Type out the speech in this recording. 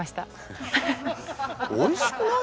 おいしくない？